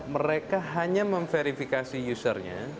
mereka hanya memverifikasi usernya